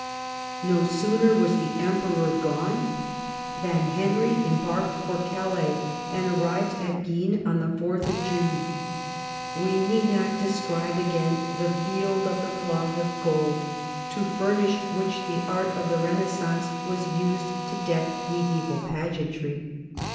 No sooner was the Emperor gone than Henry em barked for Calais, and arrived at Guisnes on 4th June. We need not describe again the " Field of the Cloth of Gold," to furnish which the art of the Benaissance was used to deck medieval pageantry.